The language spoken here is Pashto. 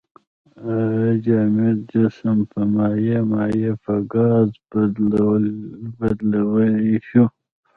جامد جسم په مایع، مایع په ګاز بدلولی شو.